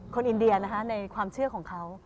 อินเดียนะคะในความเชื่อของเขา